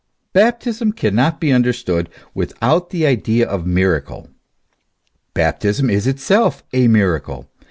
Baptism cannot be understood without the idea of miracle. Baptism is itself a miracle.